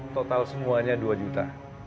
total semuanya dua juta